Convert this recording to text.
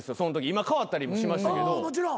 今かわったりもしましたけど。